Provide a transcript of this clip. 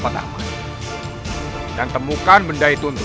waktu kamu jam sepenuhnya